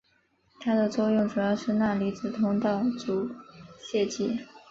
它的作用主要是钠离子通道阻滞剂。